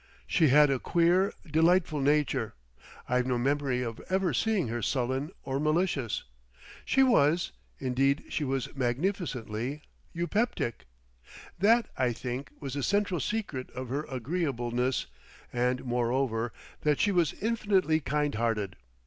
She had a queer, delightful nature; I've no memory of ever seeing her sullen or malicious. She was—indeed she was magnificently—eupeptic. That, I think, was the central secret of her agreeableness, and, moreover, that she was infinitely kind hearted.